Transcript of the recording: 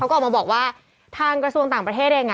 เขาก็ออกมาบอกว่าทางกระทรวงต่างประเทศเอง